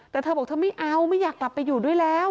แต่เธอบอกเธอไม่เอาไม่อยากกลับไปอยู่ด้วยแล้ว